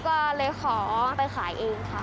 ก็เลยขอไปขายเองค่ะ